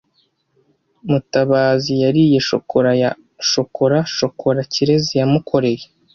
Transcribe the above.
Mutabazi yariye shokora ya shokora shokora Kirezi yamukoreye.